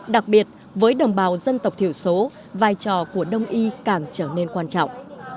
đặc biệt với đồng bào dân tộc thiểu số vai trò của đông y càng trở nên quan trọng